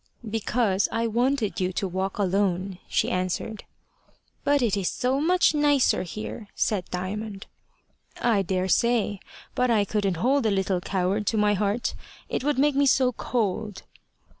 "Because I wanted you to walk alone," she answered. "But it is so much nicer here!" said Diamond. "I daresay; but I couldn't hold a little coward to my heart. It would make me so cold!"